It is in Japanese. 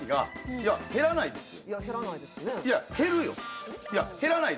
「いや減らないですよ」